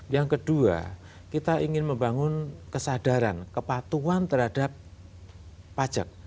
yang kedua kita ingin membangun kesadaran kepatuan terhadap pajak